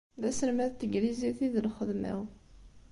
D aselmed n teglizit i d lxedma-w.